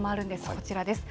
こちらです。